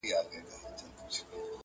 او بخښنه مي له خدایه څخه غواړم؛؛!